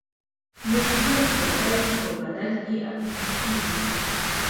ملکیت د بیې په بدل کې اخیستل کیږي.